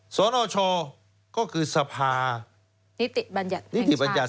สนชก็คือสภานิติบัญญัติ